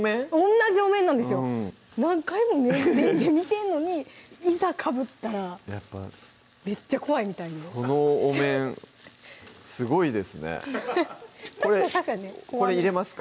同じお面なんですよ何回も年中見てるのにいざかぶったらめっちゃ怖いみたいでそのお面すごいですねこれ入れますか？